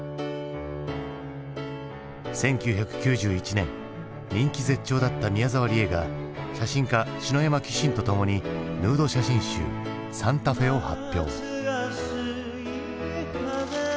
１９９１年人気絶頂だった宮沢りえが写真家篠山紀信とともにヌード写真集「ＳａｎｔａＦｅ」を発表。